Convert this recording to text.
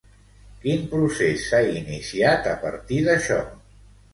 Quin procés s'ha iniciat a partir d'això?